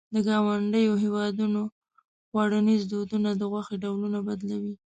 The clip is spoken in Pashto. د ګاونډیو هېوادونو خوړنيز دودونه د غوښې ډولونه بدلوي.